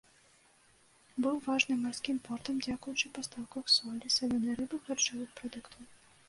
Быў важным марскім портам дзякуючы пастаўках солі, салёнай рыбы і харчовых прадуктаў.